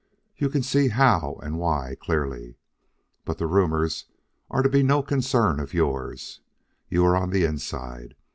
You can see how and why clearly. But rumors are to be no concern of yours. You are on the inside.